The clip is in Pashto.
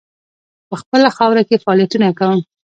په خپله خاوره کې فعالیتونه کوم.